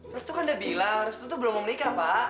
restu kan udah bilang restu tuh belum mau menikah pak